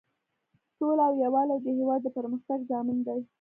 سوله او یووالی د هیواد د پرمختګ ضامن دی.